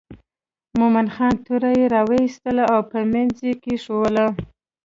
مومن خان توره را وایستله او په منځ یې کېښووله.